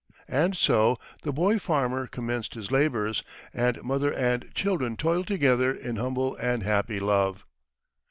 And so the boy farmer commenced his labours, and mother and children toiled together in humble and happy love.